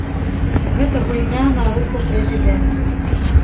Гэта гульня на руку прэзідэнту.